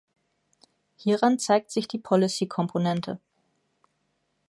Hieran zeigt sich die Policy-Komponente.